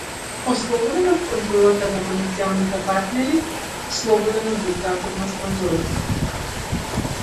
Ослободен од контролата на комерцијалните партнери, слободен од диктатот на спонзорите.